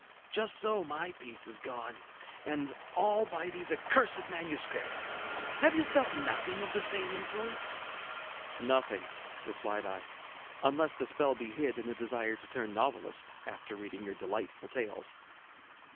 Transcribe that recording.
Just so my peace is gone, and all by these accursed manuscripts. Have you felt nothing of the same influence?" "Nothing," replied I, "unless the spell be hid in a desire to turn novelist, after reading your delightful tales."